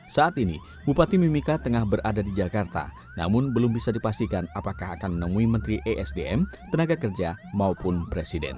saat ini bupati mimika tengah berada di jakarta namun belum bisa dipastikan apakah akan menemui menteri esdm tenaga kerja maupun presiden